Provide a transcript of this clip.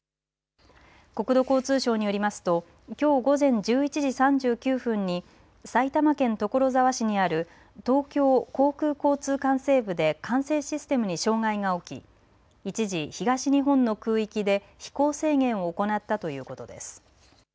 国土交通省によりますときょう午前１１時３９分に埼玉県所沢市にある東京航空交通管制部で管制システムに障害が起き、一時、東日本の空域で飛行制限を行ったということです。